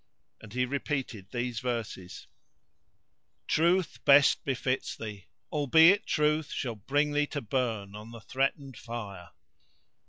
And he repeated these verses:— "Truth best befits thee, albeit truth * Shall bring thee to burn on the threatened fire."